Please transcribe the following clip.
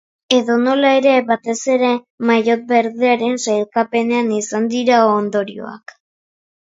Edonola ere, batez ere maillot berdearen sailkapenean izan dira ondorioak.